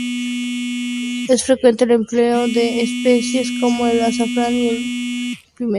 Es frecuente el empleo de especias como el azafrán y el pimentón.